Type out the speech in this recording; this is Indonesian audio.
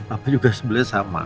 apa juga sebenarnya sama